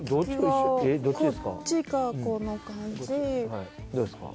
こっちがこの感じどうですか？